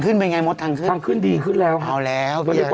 ขึ้นเป็นไงหมดทางขึ้นทางขึ้นดีขึ้นแล้วเอาแล้วเพราะนี่ก็